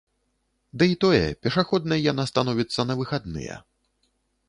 Дый тое, пешаходнай яна становіцца на выхадныя.